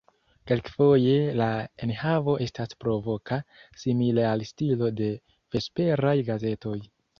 Kelkfoje la enhavo estas provoka, simile al stilo de vesperaj gazetoj.